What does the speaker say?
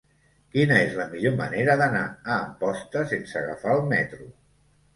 Quina és la millor manera d'anar a Amposta sense agafar el metro?